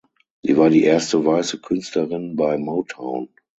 Sie war die erste weiße Künstlerin bei Motown.